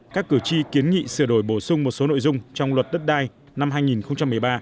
các cử tri kiến nghị sửa đổi bổ sung một số nội dung trong luật đất đai năm hai nghìn một mươi ba